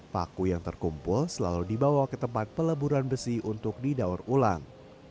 paku yang terkumpul selalu dibawa ke tempat peleburan besi untuk didaur ulang